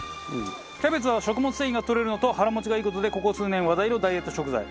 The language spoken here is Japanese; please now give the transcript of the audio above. キャベツは食物繊維がとれるのと腹持ちがいい事でここ数年話題のダイエット食材。